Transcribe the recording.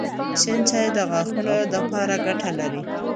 شېن چای د غاښونو دپاره ګټه لري